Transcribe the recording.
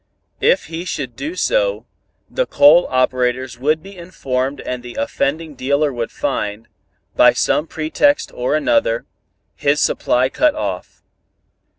If he should do so, the coal operators would be informed and the offending dealer would find, by some pretext or another, his supply cut off.